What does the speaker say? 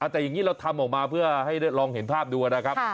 แต่อย่างนี้เราทำออกมาเพื่อให้ลองเห็นภาพดูนะครับ